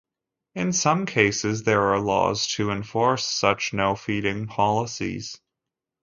In some cases there are laws to enforce such no-feeding policies.